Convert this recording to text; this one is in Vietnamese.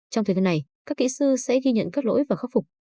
trong thời gian này các kỹ sư sẽ ghi nhận các lỗi và khắc phục